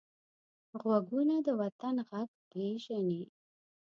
غوږونه د وطن غږ پېژني